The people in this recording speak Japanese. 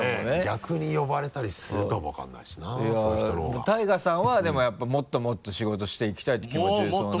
逆に呼ばれたりするかも分からないしなそういう人の方がＴＡＩＧＡさんはでもやっぱもっともっと仕事していきたいって気持ちですもんね？